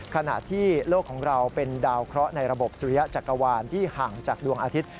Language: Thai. ขณะที่โลกของเราเป็นดาวเคราะห์ในระบบสุริยะจักรวาลที่ห่างจากดวงอาทิตย์